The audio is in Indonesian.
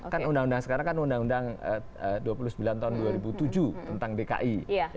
karena sekarang kan undang undang dua puluh sembilan tahun dua ribu tujuh tentang dki